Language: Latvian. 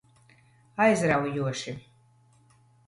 Aizraujoši.